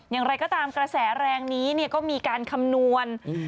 อย่างไรก็ตามกระแสแรงนี้ก็มีการคำนวณ